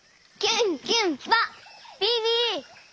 ビビ！